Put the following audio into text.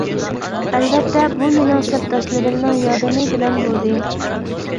ئەلۋەتتە بۇ مېنىڭ سەپداشلىرىمنىڭ ياردىمى بىلەن بولدى.